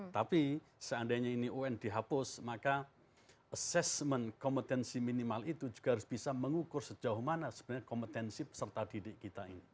tapi seandainya ini un dihapus maka assessment kompetensi minimal itu juga harus bisa mengukur sejauh mana sebenarnya kompetensi peserta didik kita ini